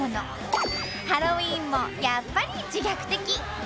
ハロウィーンもやっぱり自虐的！